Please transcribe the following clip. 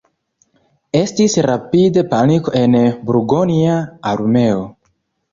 Estis rapide paniko en burgonja armeo.